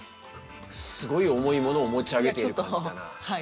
すごい重いものを持ち上げてるって感じだな。